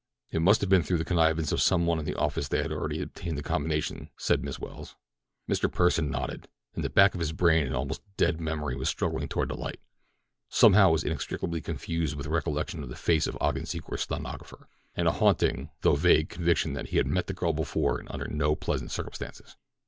"It must have been through the connivance of some one in the office that they obtained the combination," said Miss Welles. Mr. Pursen nodded. In the back of his brain an almost dead memory was struggling toward the light. Somehow it was inextricably confused with recollection of the face of Ogden Secor's stenographer, and a haunting, though vague, conviction that he had met the girl before and under no pleasant circumstances.